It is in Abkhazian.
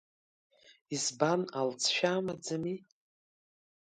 Избан, алҵшәа амаӡами?